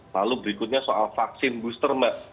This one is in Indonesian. lalu berikutnya soal vaksin booster mbak